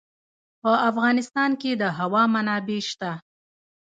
په افغانستان کې د هوا منابع شته.